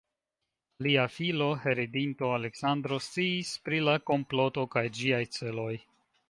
Lia filo, heredinto Aleksandro sciis pri la komploto kaj ĝiaj celoj.